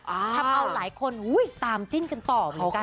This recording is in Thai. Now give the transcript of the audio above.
ทำเอาหลายคนตามจิ้นกันต่อเหมือนกัน